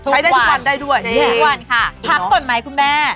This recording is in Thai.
ใช้ได้ทุกวันได้ด้วยจริงถึงแล้วเหรอทุกวันค่ะ